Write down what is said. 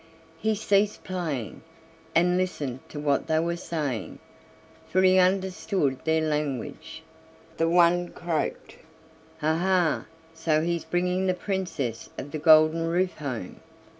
He ceased playing, and listened to what they were saying, for he understood their language. The one croaked: "Ah, ha! so he's bringing the Princess of the Golden Roof home."